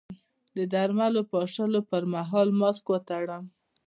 د درمل پاشلو پر مهال ماسک وتړم؟